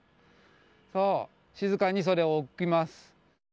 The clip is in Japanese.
静かにそれを置きます。